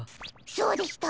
そうでした。